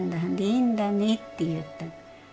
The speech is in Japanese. いいんだね」って言った。